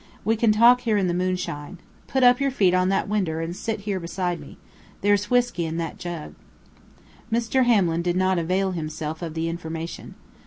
We can talk here in the moonshine. Put up your feet on that winder, and sit here beside me. Thar's whisky in that jug." Mr. Hamlin did not avail himself of the information.